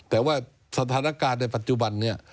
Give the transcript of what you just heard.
แต่ว่าสถานการณ์ในปัจจุบันนี้